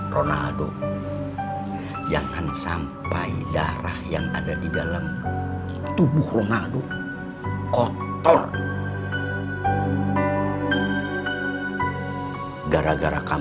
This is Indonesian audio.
temennya setera itu artis